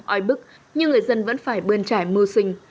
ôi bức nhưng người dân vẫn phải bươn trải mưu sinh